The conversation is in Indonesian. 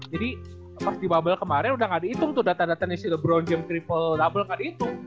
jadi pas di bubble kemarin udah ga dihitung tuh data datanya brown jam triple double ga dihitung